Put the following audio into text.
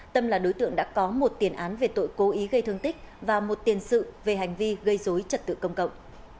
tâm là đối tượng đã có một tiền án về tội cố ý gây thương tích và một tiền sự về hành vi gây dối trật tự công cộng